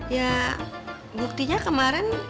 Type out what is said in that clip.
ya buktinya kemarin